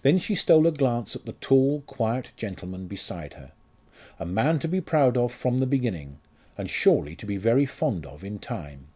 Then she stole a glance at the tall, quiet gentleman beside her. A man to be proud of from the beginning, and surely to be very fond of in time.